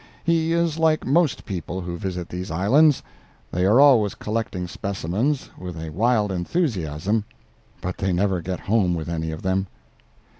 He is like most people who visit these Islands; they are always collecting specimens, with a wild enthusiasm, but they never get home with any of them.